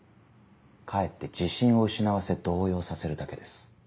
かえって自信を失わせ動揺させるだけです。